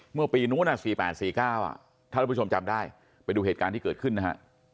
เมื่อปีนู้น๔๘๔๙ถ้าท่านผู้ชมจำได้ไปดูเหตุการณ์ที่เกิดขึ้นนะฮะ